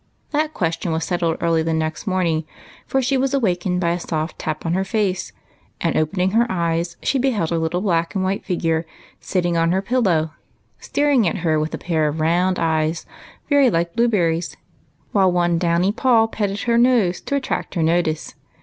That question was settled early the next morning, for she was awakened by a soft tap on her face, and opening her eyes she beheld a little black and white figure sitting on her pillow, staring at her with a pair of round eyes very like blueberries, while one downy paw patted her nose to attract her notice.